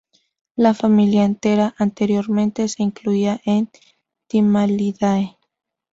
La familia entera anteriormente se incluía en Timaliidae.